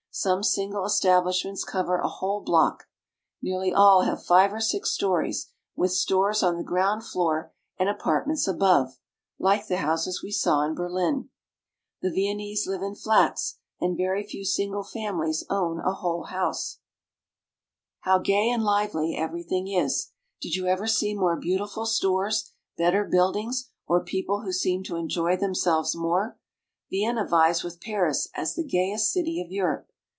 Some single establishments cover a whole block. Nearly all have five or six stories, with stores on the ground floor and apartments above, like the houses we saw in Berlin. The Viennese live in flats, and very few single families own a whole house. IN THE CAPITAL OF AUSTRIA HUNGARY. 285 How gay and lively everything is ! Did you ever see more beautiful stores, better buildings, or people who seem to enjoy themselves more ? Vienna vies with Paris as the gayest city of Europe.